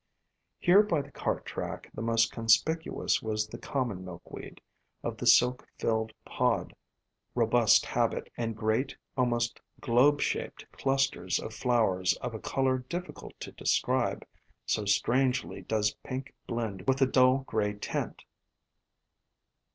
Here by the cart track the most conspicuous was the Common Milkweed, of the silk filled pod, robust habit, and great, almost globe shaped clusters of flowers of a color difficult to describe, so strangely does pink blend with a dull gray tint.